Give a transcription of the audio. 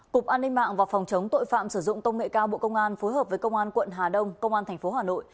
cục an ninh mạng và phòng chống tội phạm sử dụng công nghệ cao bộ công an phối hợp với công an quận hà đông công an tp hà nội